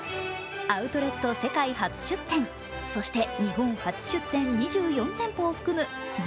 アウトレット世界初出展、そして日本初出展２４店舗を含む